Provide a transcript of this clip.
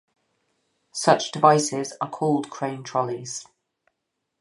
Such devices are called crane trolleys.